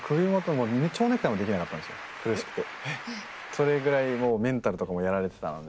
それぐらいもうメンタルとかもやられてたので。